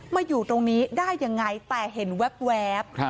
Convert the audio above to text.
มาอยู่ตรงนี้ได้ยังไงแต่เห็นแว๊บ